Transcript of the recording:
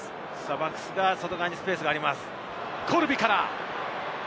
バックス、外側にスペースがあります。